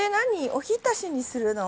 おひたしにするの？